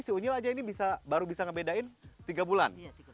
si unyil aja ini baru bisa ngebedain tiga bulan